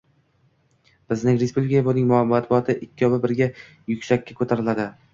«Bizning respublika va uning matbuoti ikkovi birga yuksakka ko‘tariladi